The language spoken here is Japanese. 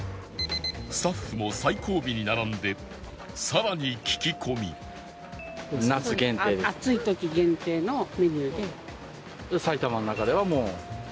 スタッフも最後尾に並んでさらに聞き込み暑い時限定のメニューで。